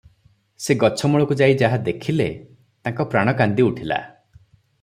ସେ ଗଛମୂଳକୁ ଯାଇ ଯାହା ଦେଖିଲେ ତାଙ୍କ ପ୍ରାଣ କାନ୍ଦି ଉଠିଲା ।